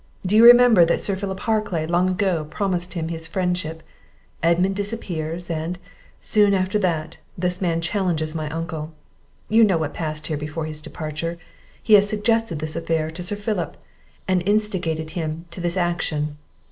Do you not remember that Sir Philip Harclay long ago promised him his friendship? Edmund disappears; and, soon after, this man challenges my Uncle. You know what passed here before his departure; He has suggested this affair to Sir Philip, and instigated him to this action.